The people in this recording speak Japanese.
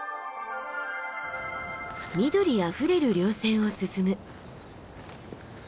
緑あふれる稜線を進む。